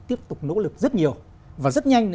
tiếp tục nỗ lực rất nhiều và rất nhanh